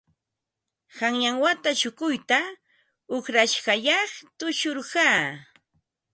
Qanyan wata shukuyta uqrashqayaq tushurqaa.